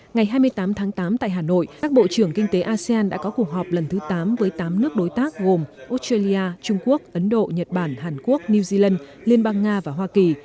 ngày hai mươi tám tháng tám tại hà nội các bộ trưởng kinh tế asean đã có cuộc họp lần thứ tám với tám nước đối tác gồm australia trung quốc ấn độ nhật bản hàn quốc new zealand liên bang nga và hoa kỳ